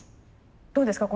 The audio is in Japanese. どうですか？